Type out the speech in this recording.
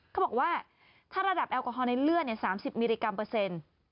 เขาบอกว่าถ้าระดับแอลกอฮอลในเลือด๓๐มิลลิกรัมเปอร์เซ็นต์